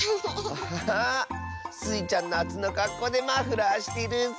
スイちゃんなつのかっこうでマフラーしてるッス。